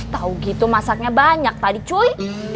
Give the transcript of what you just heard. tahu gitu masaknya banyak tadi cuy